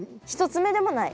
１つ目でもない。